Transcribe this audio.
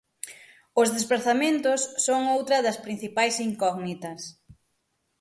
Os desprazamentos son outra das principais incógnitas.